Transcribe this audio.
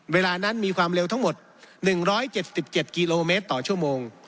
เวลานั้นมีความเร็วทั้งหมด๑๗๗กิโลเมตรต่อชั่วโมง